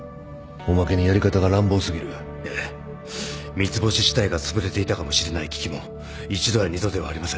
三ツ星自体がつぶれていたかもしれない危機も一度や二度ではありません。